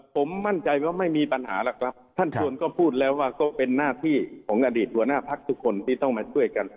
ผมมั่นใจว่าไม่มีปัญหาหรอกครับท่านชวนก็พูดแล้วว่าก็เป็นหน้าที่ของอดีตหัวหน้าพักทุกคนที่ต้องมาช่วยกัน